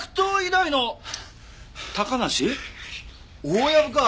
大藪か！